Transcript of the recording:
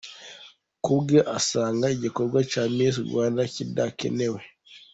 Kubwe asanga igikorwa cya Miss Rwanda kidakenewe.